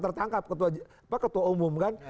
tertangkap ketua umum kan